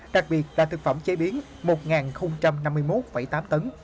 đặc biệt là thực phẩm chế biến một năm mươi một tám tấn